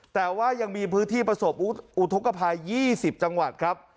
แต่ว่ายังมีพื้นที่ประสบอุทธกภัย๒๐จังหวัดครับ